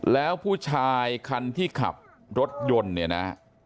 แล้วผู้ชายคันที่ขับรถยนต์เนี่ยนะ